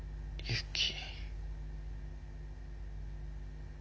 ユキ。